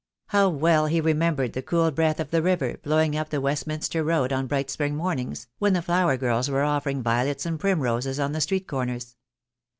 How well he remembered the cool breath of the river blowing up the Westminster' Road on bright spring mornings, when the flower girls were offering violets and primroses at the street corners.